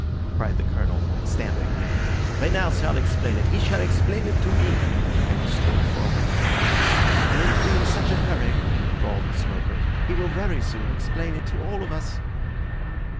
cried the Colonel, stamping. "Renard shall explain it. He shall explain it to me," and he strode forward. "Don't be in such a hurry," drawled the smoker. "He will very soon explain it to all of us."